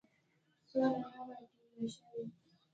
ځمکه د هر انسان وروستۍ کوربه ده.